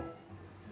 aku beli santan